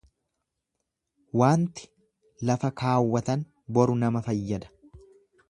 Waanti lafa kaawwatan boru nama fayyada.